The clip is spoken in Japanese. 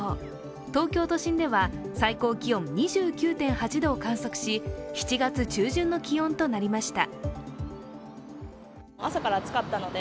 東京都心では最高気温２９．８度を観測し７月中旬の気温となりました。